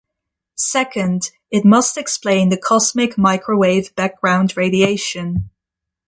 Second, it must explain the cosmic microwave background radiation.